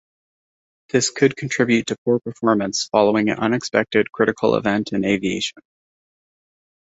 This could contribute to poor performance following an unexpected critical event in aviation.